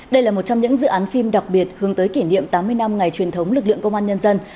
đây là một trong những dự án phim đặc biệt hướng tới kỷ niệm tám mươi năm ngày truyền thống lực lượng công an nhân dân